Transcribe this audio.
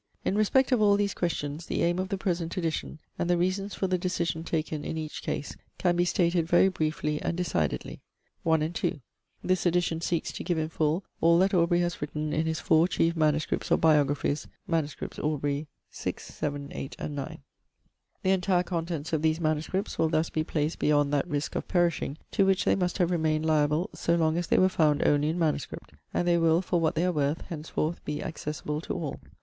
In respect of all these questions, the aim of the present edition, and the reasons for the decision taken in each case, can be stated very briefly and decidedly. 1, and 2. This edition seeks to give in full all that Aubrey has written in his four chief MSS. of biographies, MSS. Aubrey 6, 7, 8, and 9. The entire contents of these MSS. will thus be placed beyond that risk of perishing, to which they must have remained liable so long as they were found only in MS., and they will, for what they are worth, henceforth be accessible to all.